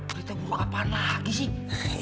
berita buruk apaan lagi sih